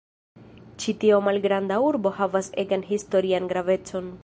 Ĉi tio malgranda urbo havas egan historian gravecon.